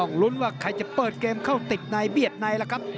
ลุ้นว่าใครจะเปิดเกมเข้าติดในเบียดในล่ะครับ